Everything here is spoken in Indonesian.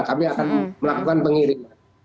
kami akan melakukan pengiriman